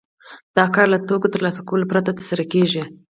دا کار له توکو ترلاسه کولو پرته ترسره کېږي